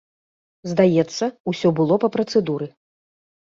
Здаецца, усё было па працэдуры.